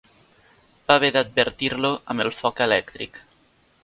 Va haver d'advertir-lo amb el foc elèctric